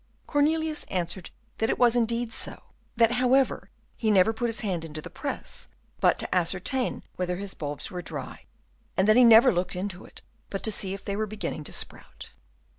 Cornelius answered that it was indeed so; that, however, he never put his hand into the press but to ascertain whether his bulbs were dry, and that he never looked into it but to see if they were beginning to sprout.